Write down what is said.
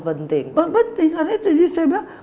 penting penting karena itu jadi saya bilang